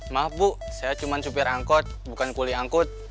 maaf bu saya cuma supir angkot bukan kuli angkut